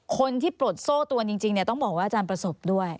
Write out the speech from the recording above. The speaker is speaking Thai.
คนที่โปรดโซ่ตัวจริงเนี่ยต้องบอกว่าอาจารย์ประสบด้วย